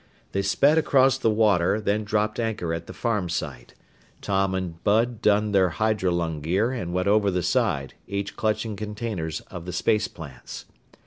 They sped across the water, then dropped anchor at the farm site. Tom and Bud donned their hydrolung gear and went over the side, each clutching containers of the space plants.